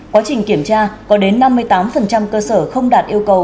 quá trình kiểm tra có đến năm mươi tám cơ sở không đạt yêu cầu